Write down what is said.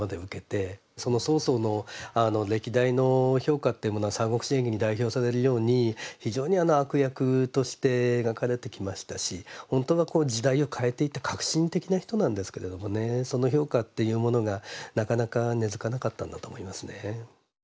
曹操の歴代の評価というものは「三国志演義」に代表されるように非常に悪役として描かれてきましたし本当は時代を変えていった革新的な人なんですけれどもねその評価っていうものがなかなか根づかなかったんだと思いますね。